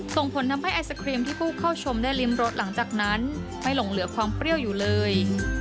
ส่งผลทำให้ไอศครีมที่ผู้เข้าชมได้ริมรสหลังจากนั้นไม่หลงเหลือความเปรี้ยวอยู่เลย